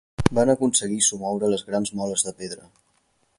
Van aconseguir somoure les grans moles de pedra.